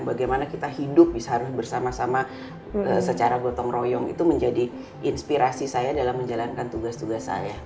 bagaimana kita hidup bisa harus bersama sama secara gotong royong itu menjadi inspirasi saya dalam menjalankan tugas tugas saya